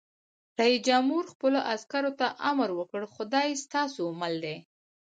رئیس جمهور خپلو عسکرو ته امر وکړ؛ خدای ستاسو مل دی!